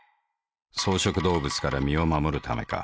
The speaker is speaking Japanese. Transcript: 草食動物から身を護るためか。